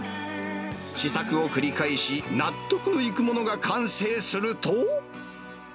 試作を繰り返し、納得のいくものが完成すると。